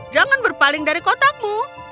jangan berpaling dari kotakmu